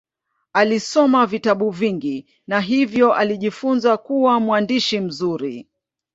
Alisoma vitabu vingi na hivyo alijifunza kuwa mwandishi mzuri.